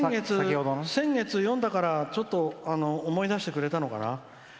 先月、読んだから、ちょっと思い出してくれたのかな。